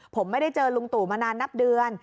ผมไม่ได้เจอลุงตู่มานานนับเดือน